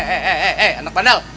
eh eh eh eh eh eh anak bandel